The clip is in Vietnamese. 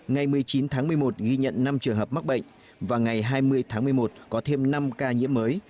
ngày một mươi chín tháng một mươi một ghi nhận năm trường hợp mắc bệnh và ngày hai mươi tháng một mươi một có thêm năm ca nhiễm mới